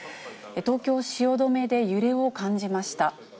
東京・汐留で揺れを感じました。